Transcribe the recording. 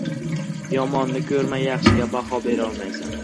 • Yomonni ko‘rmay yaxshiga baho berolmaysan.